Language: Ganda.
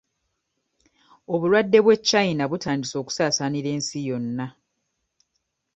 Obulwadde bw'e China butandise okusaasaanira ensi yonna.